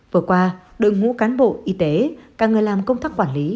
vừa qua đội ngũ cán bộ y tế cả người làm công tác quản lý